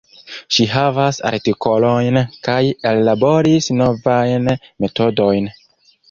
Ŝi havas artikolojn, kaj ellaboris novajn metodojn.